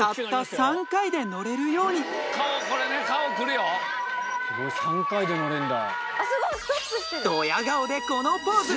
３回で乗れるんだ。